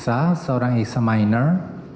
saya adalah seorang examiner